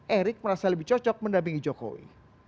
erick merasa lebih cocok mendampingi jokowi